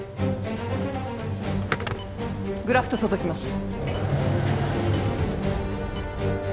グラフト届きます。